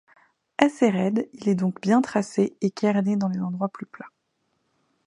Assez raide, il est donc bien tracé et cairné dans les endroits plus plats.